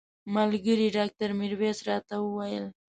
ملګري ډاکټر میرویس راته وویل.